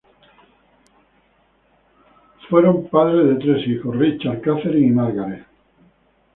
Fueron padres de tres hijos: Richard, Katherine y Margaret.